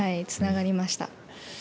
はい、つながりました。